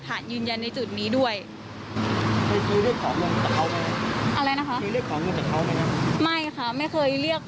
คือทั้งเป็นคลิปเสียงด้วยเป็นแชทด้วยค่ะ